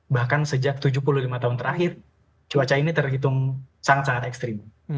bahkan sejak tujuh puluh lima tahun terakhir cuaca ini terhitung sangat sangat ekstrim